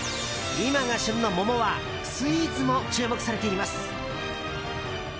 今が旬の桃はスイーツも注目されています。